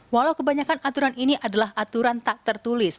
walau kebanyakan aturan ini adalah aturan tak tertulis